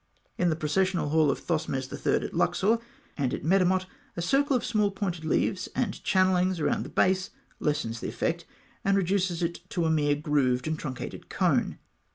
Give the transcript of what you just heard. In the processional hall of Thothmes III., at Luxor, and at Medamot, a circle of small pointed leaves and channellings around the base lessens the effect, and reduces it to a mere grooved and truncated cone.